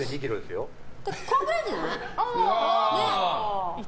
このくらいじゃない？